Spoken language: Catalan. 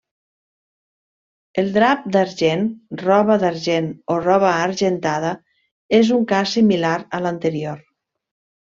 El drap d'argent, roba d'argent o roba argentada és un cas similar a l'anterior.